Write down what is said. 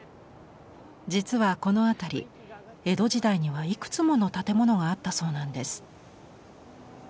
実はこの辺り江戸時代にはいくつもの建物があったそうなんです。